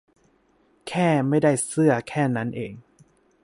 แค่ไม่ได้เสื้อแค่นั้นเอง